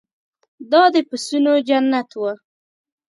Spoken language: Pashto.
دا د پسونو جنت و.